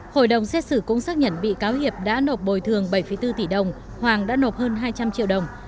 hội đồng xét xử cũng xác nhận bị cáo hiệp đã nộp bồi thường bảy bốn tỷ đồng hoàng đã nộp hơn hai trăm linh triệu đồng